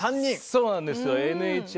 そうなんですよ。